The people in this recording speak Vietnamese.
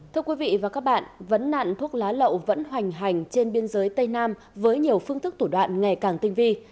thưa quý vị và các bạn vấn nạn thuốc lá lậu vẫn hoành hành trên biên giới tây nam với nhiều phương thức thủ đoạn ngày càng tinh vi